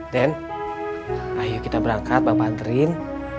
den ayo kita berangkat bapak anterin